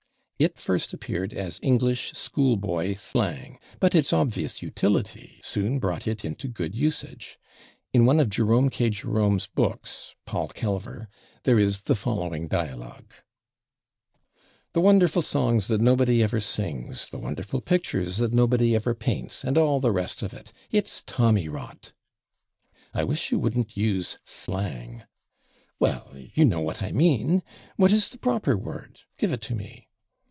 It first appeared as English school boy slang, but its obvious utility soon brought it into good usage. In one of Jerome K. Jerome's books, "Paul Kelver," there is the following dialogue: "The wonderful songs that nobody ever sings, the wonderful pictures that nobody ever paints, and all the rest of it. It's /Tommy rot/!" "I wish you wouldn't use slang." "Well, you know what I mean. What is the proper word? Give it to me."